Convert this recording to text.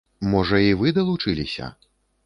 Можа, і вы далучыліся?